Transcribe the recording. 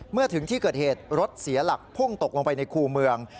เมื่อถึงที่เกิดเหตุรถเสียหลักพุ่งตกลงไปในคู่เมือง